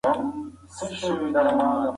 ما وویل چې زما د صبر کاسه نوره ډکه ده.